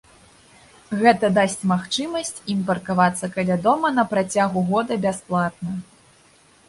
Гэта дасць магчымасць ім паркавацца каля дома на працягу года бясплатна.